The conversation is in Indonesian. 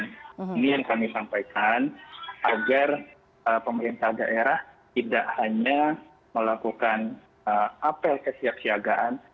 ini yang kami sampaikan agar pemerintah daerah tidak hanya melakukan apel kesiapsiagaan